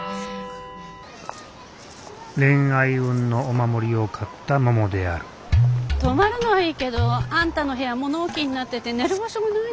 恋愛運のお守りを買ったももである泊まるのはいいけどあんたの部屋物置になってて寝る場所がないのよ。